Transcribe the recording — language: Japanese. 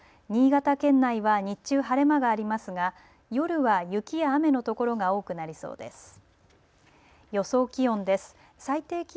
新潟県内は日中、晴れ間がありますが夜は雪や雨の所が多くなりそうです。